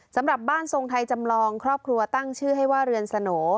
สำหรับบ้านทรงไทยจำลองครอบครัวตั้งชื่อให้ว่าเรือนสโหน